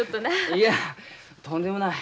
いやとんでもない。